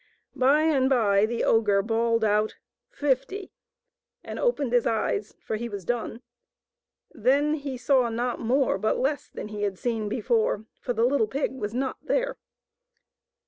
By and by the ogre bawled out " Fifty !!/" and opened his eyes, for he was done. Then he saw not more, but less, than he had seen before, for the little pig was not there.